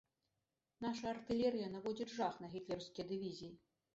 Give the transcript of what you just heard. Наша артылерыя наводзіць жах на гітлераўскія дывізіі.